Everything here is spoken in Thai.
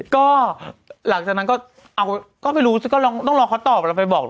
ก็หลังจากนั้นก็ไปรู้ซึ่งก็ต้องรอเค้าตอบแล้วไปบอก